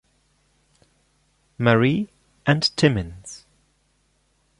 Marie and Timmins.